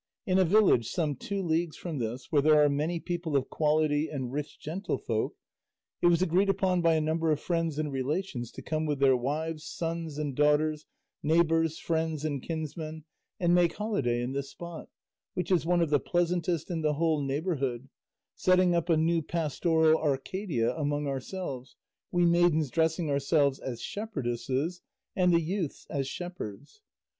In a village some two leagues from this, where there are many people of quality and rich gentlefolk, it was agreed upon by a number of friends and relations to come with their wives, sons and daughters, neighbours, friends and kinsmen, and make holiday in this spot, which is one of the pleasantest in the whole neighbourhood, setting up a new pastoral Arcadia among ourselves, we maidens dressing ourselves as shepherdesses and the youths as shepherds.